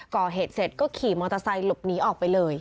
ก่อเหตุเสร็จก็ขี่มอเตอร์ไซค์หลบหนีออกไปเลย